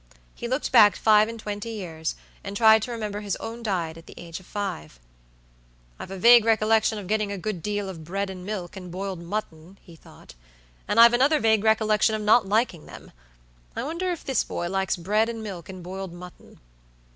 He looked back five and twenty years, and tried to remember his own diet at the age of five. "I've a vague recollection of getting a good deal of bread and milk and boiled mutton," he thought; "and I've another vague recollection of not liking them. I wonder if this boy likes bread and milk and boiled mutton."